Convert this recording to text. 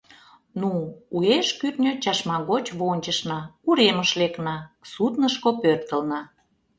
Ну, уэш кӱртньӧ чашма гоч вончышна, уремыш лекна, суднышко пӧртылна.